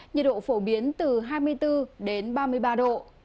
nhiệt độ phổ biến từ hai mươi bốn đến ba mươi ba độ